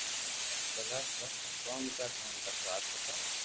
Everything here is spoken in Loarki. ٿني بس ڪوم ڪرو ھي بس وات ختم